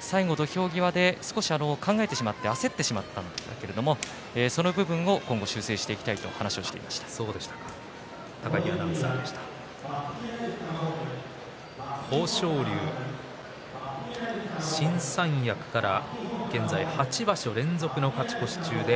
土俵際で少し考えてしまって焦ってしまったけれどその部分は今後修正していきたいという話を豊昇龍、新三役から現在８場所連続の勝ち越し中です。